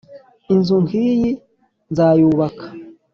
inzu nkiyi nzayubaka?